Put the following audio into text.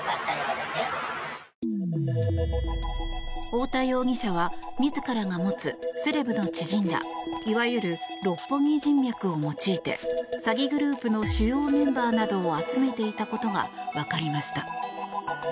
太田容疑者は自らが持つセレブの知人らいわゆる六本木人脈を用いて詐欺グループの主要メンバーなどを集めていたことが分かりました。